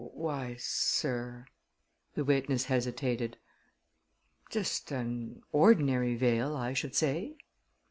"Why, sir," the witness hesitated, "just an ordinary veil, I should say."